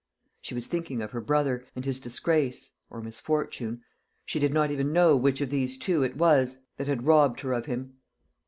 She was thinking of her brother, and his disgrace or misfortune; she did not even know which of these two it was that had robbed her of him.